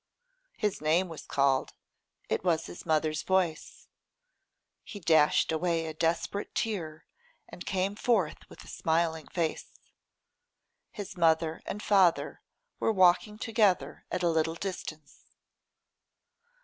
His name was called: it was his mother's voice. He dashed away a desperate tear, and came forth with a smiling face. His mother and father were walking together at a little distance.